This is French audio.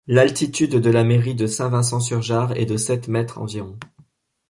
L'altitude de la mairie de Saint-Vincent-sur-Jard est de sept mètres environ.